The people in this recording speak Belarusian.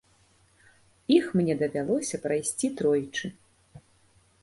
Іх мне давялося прайсці тройчы.